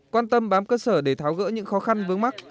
quan tâm bám cơ sở để tháo gỡ những khó khăn vướng mắt